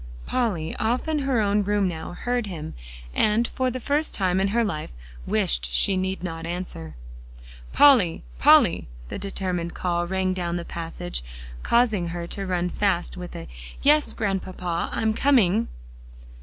Polly, off in her own room now, heard him, and for the first time in her life, wished she need not answer. "Polly Polly!" the determined call rang down the passage, causing her to run fast with a "Yes, Grandpapa, I'm coming."